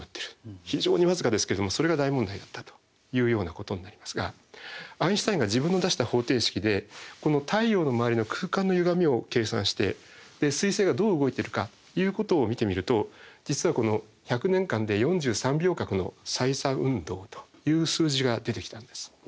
非常に僅かですけどもそれが大問題だったというようなことになりますがアインシュタインが自分の出した方程式でこの太陽の周りの空間のゆがみを計算して水星がどう動いてるかということを見てみると実はこの１００年間で４３秒角の歳差運動という数字が出てきたんです。